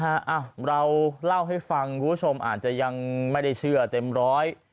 อ่ะเราเล่าให้ฟังคุณผู้ชมอาจจะยังไม่ได้เชื่อเต็มร้อย